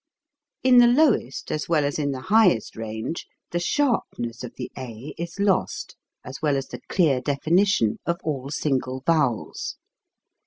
In the lowest as well as in the highest range the sharpness of the a is lost, as well as the clear definition of all single vowels.